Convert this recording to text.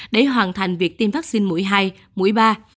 để hoàn thành việc tiêm vaccine mũi hai mũi ba